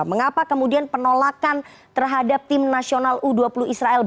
mengapa kemudian penolakan terhadap tim nasional u dua puluh israel